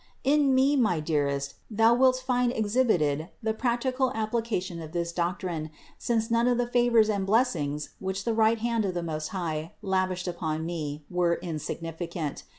241. In me, my dearest, thou wilt find exhibited the practical application of this doctrine ; since none of the favors and blessings, which the right hand of the Most High lavished upon me, were insignificant.